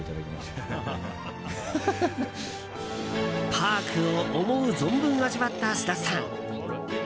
パークを思う存分味わった菅田さん。